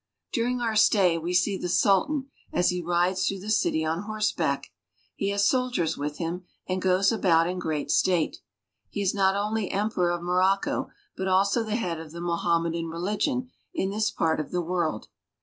During our stay we see the Sultan as he rides through the city on horseback. He has soldiers with him and goes about in great state. He is not only Emperor of Morocco, but also the head of the Mohammedan religion in this part of the world.